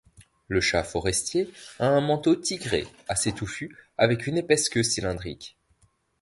Le chat forestier a un manteau tigré assez touffu avec une épaisse queue cylindrique.